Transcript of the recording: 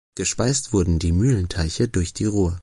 Gespeist wurden die Mühlenteiche durch die Rur.